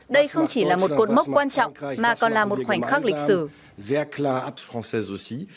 đây không chỉ là một cột mốc quan trọng mà còn là một khoảnh khắc lịch sử